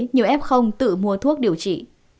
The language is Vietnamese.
nhiều f tự mua thuốc điều trị